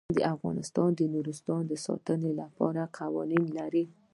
افغانستان د نورستان د ساتنې لپاره قوانین لري.